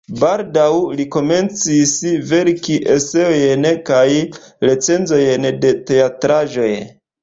Baldaŭ li komencis verki eseojn kaj recenzojn de teatraĵoj.